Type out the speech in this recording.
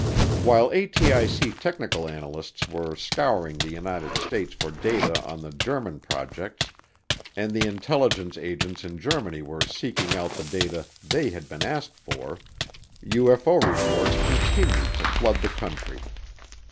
While ATIC technical analysts were scouring the United States for data on the German projects and the intelligence agents in Germany were seeking out the data they had been asked for, UFO reports continued to flood the country.